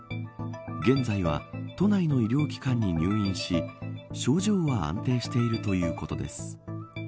現在は都内の医療機関に入院し症状は安定しているということです。